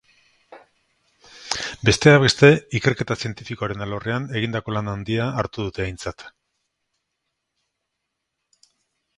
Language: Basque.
Besteak beste, ikerketa zientifikoaren alorrean egindako lan handia hartu dute aintzat.